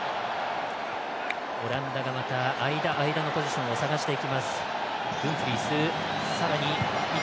オランダが間、間のポジションを探していきます。